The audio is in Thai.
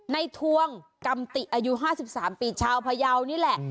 ทวงกำติอายุ๕๓ปีชาวพยาวนี่แหละ